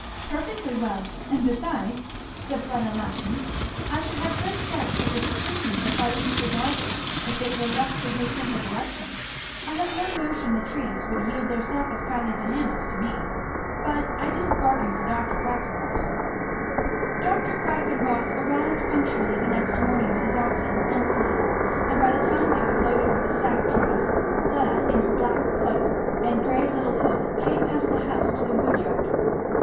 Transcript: "Perfectly well. And besides," said Fleda laughing, "I should have great doubts of the discreetness of Philetus's auger if it were left to his simple direction. I have no notion the trees would yield their sap as kindly to him as to me. But I didn't bargain for Dr. Quackenboss." Dr. Quackenboss arrived punctually the next morning with his oxen and sled; and by the time it was loaded with the sap troughs, Fleda in her black cloak, yarn shawl, and grey little hood came out of the house to the wood yard.